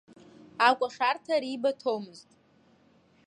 Акәашарҭа рибаҭомызт.